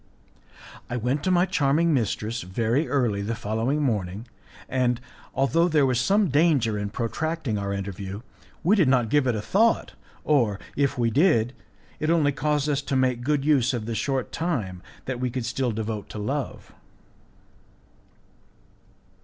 I went to my charming mistress very early the following morning, and, although there was some danger in protracting our interview, we did not give it a thought, or, if we did, it only caused us to make good use of the short time that we could still devote to love.